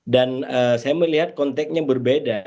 dan saya melihat konteksnya berbeda